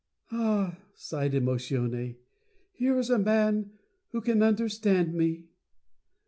"Ah," sighed Emotione, "here is a Man who can Understand me."